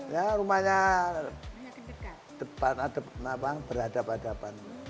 ya rumahnya depan berhadapan hadapan